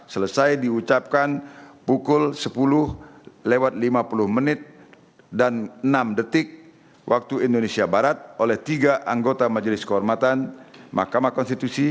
selesai diucapkan pukul sepuluh lewat lima puluh menit dan enam detik waktu indonesia barat oleh tiga anggota majelis kehormatan mahkamah konstitusi